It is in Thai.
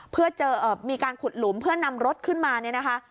เพื่อเจอมีการขุดหลุมเพื่อนำรถขึ้นมาเนี่ยนะคะ